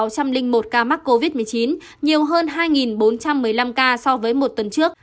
một trăm linh một ca mắc covid một mươi chín nhiều hơn hai bốn trăm một mươi năm ca so với một tuần trước